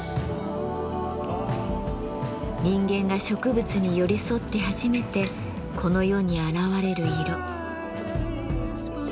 人間が植物に寄り添って初めてこの世に現れる色。